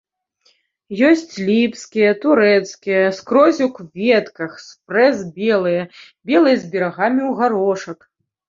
Ёсць ліпскія, турэцкія, скрозь у кветках, спрэс белыя, белыя з берагамі ў гарошак.